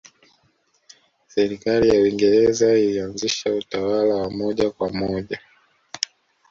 Serikali ya Uingereza ilianzisha utawala wa moja kwa moja